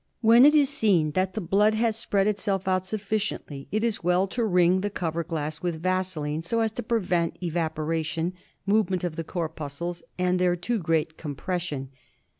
When it is seen that the blood has spread itself out sufficiently it is well to ring the cover glass with vaseline so as to prevent evaporation, movement of the corpuscles, and their too great compression.